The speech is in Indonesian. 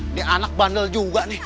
ini anak bandel juga nih